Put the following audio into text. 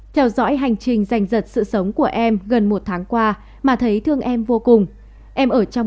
theo dõi hành trình giành giật sự sống của em gần một tháng qua mà thấy thương em vô cùng em ở trong